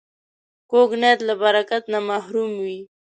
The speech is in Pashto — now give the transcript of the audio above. کوږ نیت له برکت نه محروم وي